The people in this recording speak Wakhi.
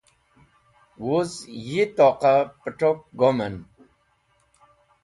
Wuz yi toqa pet̃ok gomem.